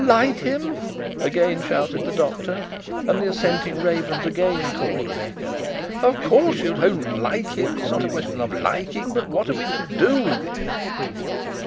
'Like him!' again shouted the doctor, and the assenting ravens again cawed an echo; 'of course you don't like him; it's not a question of liking. But what are we to do with him?'